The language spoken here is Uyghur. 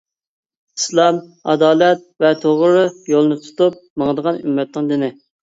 ئىسلام ئادالەت ۋە توغرا يولنى تۇتۇپ ماڭىدىغان ئۈممەتنىڭ دىنى.